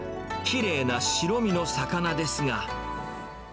きれいな白身の魚ですが。